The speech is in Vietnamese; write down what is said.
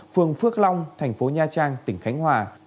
phường phước long thành phố nha trang tỉnh khánh hòa